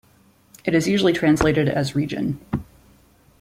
It is usually translated as "region".